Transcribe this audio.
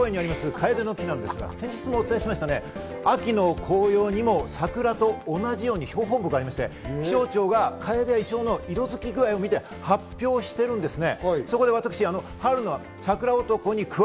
カエデの木なんですが、先日もお伝えしました、秋の紅葉にも桜と同じように標本木がありまして、気象庁がカエデやイチョウの色づき具合を見て、発表してるんですね。